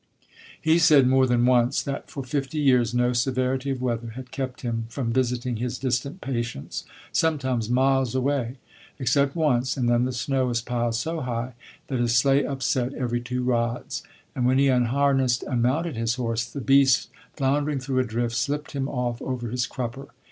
He said more than once that for fifty years no severity of weather had kept him from visiting his distant patients, sometimes miles away, except once, and then the snow was piled so high that his sleigh upset every two rods; and when he unharnessed and mounted his horse, the beast, floundering through a drift, slipped him off over his crupper.